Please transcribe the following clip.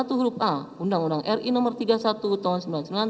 urban urbi no tiga puluh satu tahun seribu sembilan ratus sembilan puluh sembilan